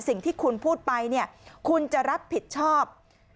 สิ่งที่คุณพูดไปเนี่ยคุณจะรับผิดชอบ